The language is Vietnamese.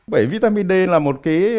vậy vitamin d là một cái